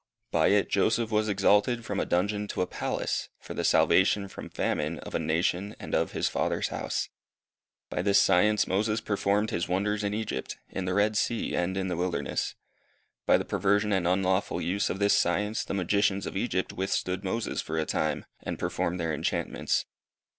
By it Joseph was exalted from a dungeon to a palace, for the salvation, from famine, of a nation and of his father's house. By this science Moses performed his wonders in Egypt, in the Red Sea, and in the wilderness. By the perversion and unlawful use of this science the magicians of Egypt withstood Moses for a time, and performed their enchantments.